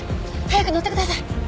早く乗ってください。